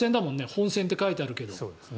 本線って書いてあるけど。